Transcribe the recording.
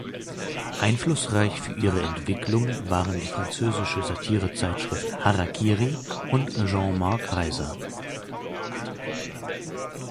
Einflussreich für ihre Entwicklung waren die französische Satire-Zeitschrift Hara-Kiri und Jean-Marc Reiser.